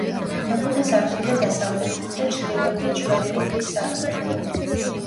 მეხუთე სართულზე დასავლეთით და ჩრდილოეთით შვერილი ქვის სარკმლებია.